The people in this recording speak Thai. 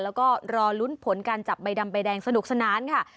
แล้วก็รอลุ้นผลการจับใบดำใบแดงสนุกสนานค่ะ